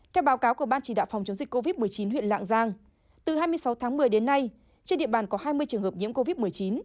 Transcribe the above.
theo báo cáo của ban chỉ đạo phòng chống dịch covid một mươi chín huyện lạng giang từ hai mươi sáu tháng một mươi đến nay trên địa bàn có hai mươi trường hợp nhiễm covid một mươi chín